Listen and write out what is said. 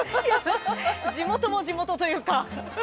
地元も地元というか。